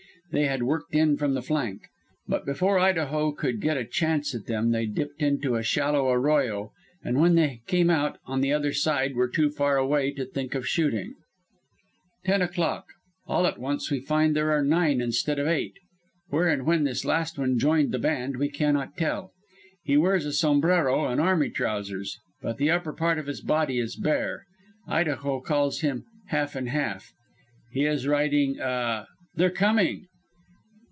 They had worked in from the flank. But before Idaho could get a chance at them they dipped into a shallow arroyo, and when they came out on the other side were too far away to think of shooting. "Ten o'clock. All at once we find there are nine instead of eight; where and when this last one joined the band we cannot tell. He wears a sombrero and army trousers, but the upper part of his body is bare. Idaho calls him 'Half and half.' He is riding a They're coming.